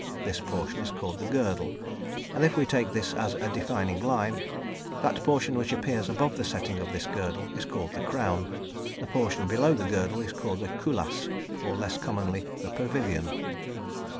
This portion is called the "girdle," and if we take this as a defining line, that portion which appears above the setting of this girdle, is called the "crown"; the portion below the girdle is called the "culasse," or less commonly the "pavilion."